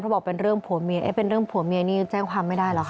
บอกเป็นเรื่องผัวเมียเอ๊ะเป็นเรื่องผัวเมียนี่แจ้งความไม่ได้หรอกค่ะ